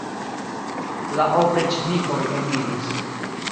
La opriĉnikoj eniris.